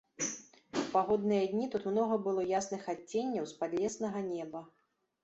У пагодныя дні тут многа было ясных адценняў з падлеснага неба.